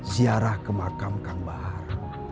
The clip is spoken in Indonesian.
ziarah ke makam kang bar